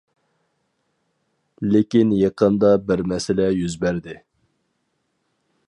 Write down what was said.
لېكىن يېقىندا بىر مەسىلە يۈز بەردى.